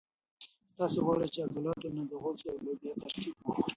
که تاسي غواړئ چې عضلات ولرئ نو د غوښې او لوبیا ترکیب وخورئ.